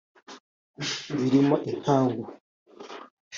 birimo inkangu